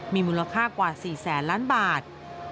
มีมูลค่ากว่า๔แสนล้านบาท